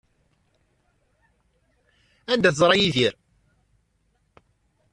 Anda ay teẓra Yidir?